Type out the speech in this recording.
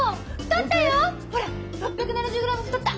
ほら６７０グラム太った！